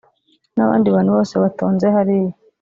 n’abandi bantu bose batonze hariya